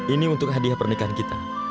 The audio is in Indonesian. ini untuk hadiah pernikahan kita